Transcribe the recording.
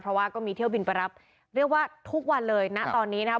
เพราะว่าก็มีเที่ยวบินไปรับเรียกว่าทุกวันเลยนะตอนนี้นะครับ